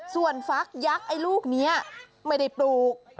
ส่วนฟักยักษ์ไอ้ลูกนี้ไม่ได้ปลูก